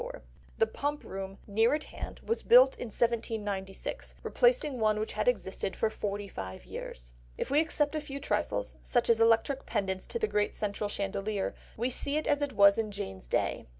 The Pump Room, near at hand, was built in 1796, replacing one which had existed for forty five years. If we except a few trifles, such as electric pendants to the great central chandelier, we see it as it was in Jane's day.